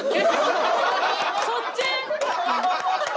そっち？